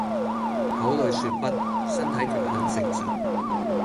口裡說不，身體卻很誠實